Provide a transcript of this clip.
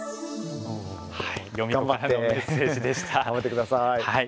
頑張れ。頑張ってください。